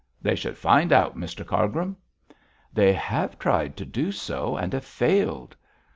'They should find out, Mr Cargrim.' 'They have tried to do so and have failed!'